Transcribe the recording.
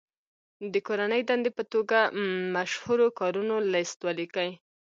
د کورنۍ دندې په توګه مشهورو کارونو لست ولیکئ.